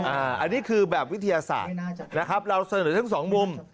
อันนี้คือแบบวิทยาศาสตร์นะครับเราเสนอทั้งสองมุม